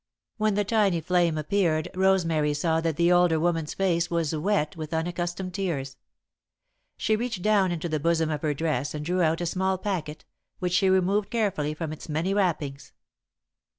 When the tiny flame appeared, Rosemary saw that the older woman's face was wet with unaccustomed tears. She reached down into the bosom of her dress and drew out a small packet, which she removed carefully from its many wrappings.